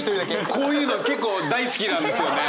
こういうのが結構大好きなんですよね！